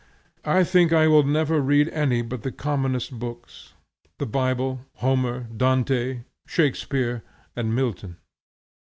I think I will never read any but the commonest books, the Bible, Homer, Dante, Shakspeare, and Milton.